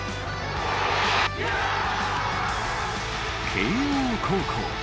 慶応高校。